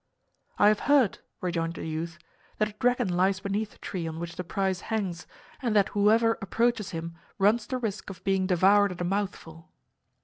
"I have heard," rejoined the youth, "that a dragon lies beneath the tree on which the prize hangs, and that whoever approaches him runs the risk of being devoured at a mouthful."